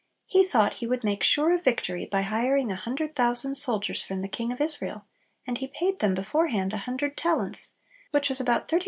He thought he would make sure of victory by hiring a hundred thousand soldiers from the King of Israel, and he paid them beforehand a hundred talents, which was about £34,218.